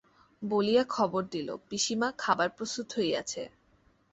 বলিয়া খবর দিল, পিসিমা, খাবার প্রস্তুত হইয়াছে।